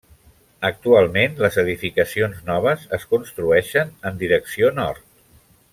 Actualment les edificacions noves es construeixen en direcció nord.